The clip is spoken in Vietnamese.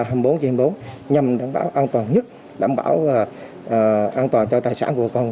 nhằm đảm bảo an toàn nhất đảm bảo an toàn cho tài sản của bà con